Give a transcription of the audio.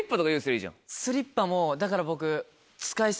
スリッパもだから僕。